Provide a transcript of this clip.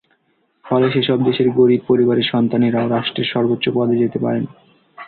ফলে সেসব দেশের গরিব পরিবারের সন্তানেরাও রাষ্ট্রের সর্বোচ্চ পদে যেতে পারেন।